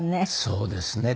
そうですね。